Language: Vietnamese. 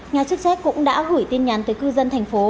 nhà chức trách cũng đã gửi tin nhắn tới cư dân thành phố